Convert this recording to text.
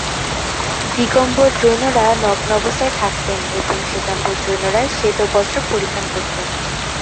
দিগম্বর জৈনরা নগ্ন অবস্থায় থাকতেন এবং শ্বেতাম্বর জৈনরা শ্বেত বস্ত্র পরিধান করতেন।